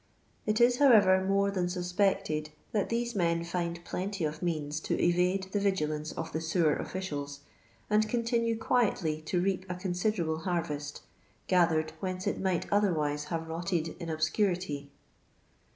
It is, however, more than suspected that these men find plenty of means to evade the vigilance of the sewer officials, and continue quietly to reap a considerable harvest, gathered whence it might otherwise have rotted in obscurity.